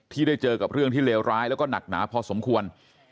ได้เจอกับเรื่องที่เลวร้ายแล้วก็หนักหนาพอสมควร